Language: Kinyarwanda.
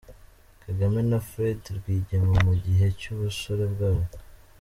Kagame na Fred Rwigema mu gihe cy'ubusore bwabo.